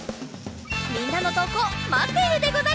みんなのとうこうまっているでござる。